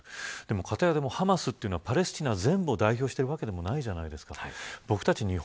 かたやハマスというのはパレスチナ全部を代表してるわけではないじゃないですか。